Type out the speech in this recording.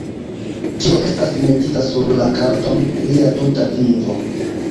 Ĉio estas metita sur la karton: lia tuta vivo.